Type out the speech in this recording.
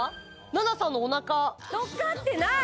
奈々さんのおなかのっかってない！